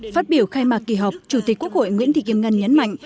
phát biểu khai mạc kỳ họp chủ tịch quốc hội nguyễn thị kim ngân nhấn mạnh